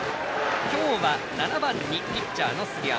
今日は７番にピッチャーの杉山。